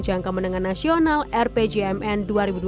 jangka menengah nasional rpjmn dua ribu dua puluh dua ribu dua puluh empat